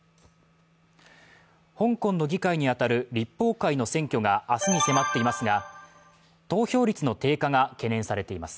香港の議会に当たる立法会の選挙が明日に迫っていますが投票率の低下が懸念されています。